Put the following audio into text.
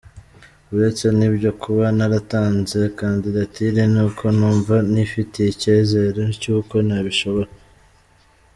Uretse n’ibyo, kuba naratanze kandidatire ni uko numva nifitiye icyizere cy’uko nabishobora”.